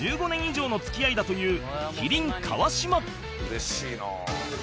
「嬉しいな」